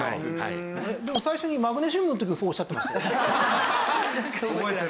でも最初にマグネシウムの時もそうおっしゃってましたよ。